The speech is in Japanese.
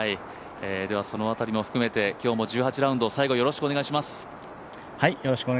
その辺りも含めて今日も１８ラウンド最後よろしくお願いします。